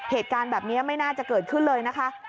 เหตุการณ์แบบนี้ไม่น่าจะเกิดขึ้นเลยนะคะ